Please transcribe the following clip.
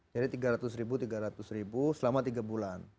jadi tiga ratus ribu tiga ratus ribu selama tiga bulan